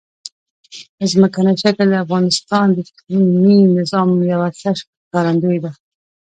ځمکنی شکل د افغانستان د اقلیمي نظام یوه ښه ښکارندوی ده.